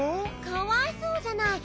かわいそうじゃない！